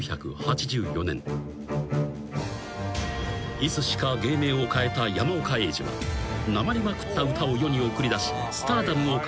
［いつしか芸名を変えた山岡英二はなまりまくった歌を世に送り出しスターダムを駆け上がる。